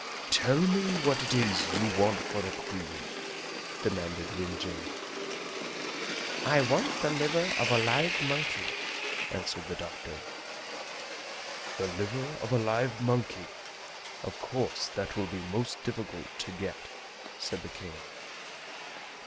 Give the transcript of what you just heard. "Tell me what it is you want for the Queen?" demanded Rin Jin. "I want the liver of a live monkey!" answered the doctor. "The liver of a live monkey! Of course that will be most difficult to get," said the King.